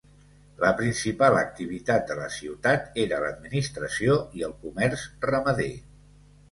La principal activitat de la ciutat era l'administració i el comerç ramader.